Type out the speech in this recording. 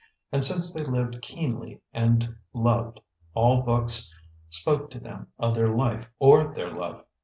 And since they lived keenly and loved, all books spoke to them of their life or their love.